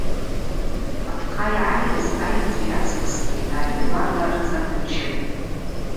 Апхъа йгӏайыз айныжв йацкӏысгьи ари гӏванла рыцӏа дымчыпӏ.